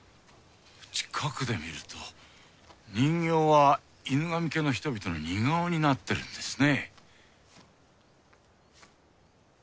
近くで見ると人形は犬神家の人々の似顔になっているんですね。